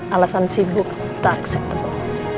alasan sibuk tak akseptabel